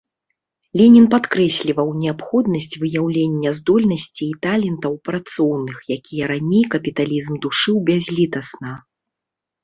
Ленін падкрэсліваў неабходнасць выяўлення здольнасцей і талентаў працоўных, якія раней капіталізм душыў бязлітасна.